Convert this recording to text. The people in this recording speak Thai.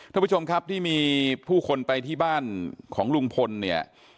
ท่านผู้ชมครับที่มีผู้คนไปที่บ้านของลุงพลเนี่ย